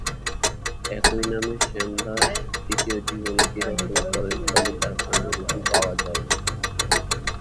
একই নামে শ্যামদাস তৃতীয় জীবনীটি রচনা করেন, তবে তার পান্ডুলিপি পাওয়া যায় নি।